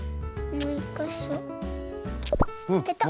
もう１かしょペトッ。